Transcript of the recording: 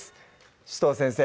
紫藤先生